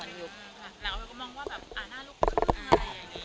แล้วพี่ยอคคงมองว่าอาณาลูกคือใคร